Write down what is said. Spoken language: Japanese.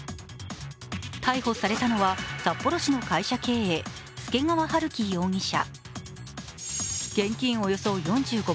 逮捕されたのは札幌市の会社経営、祐川春樹容疑者。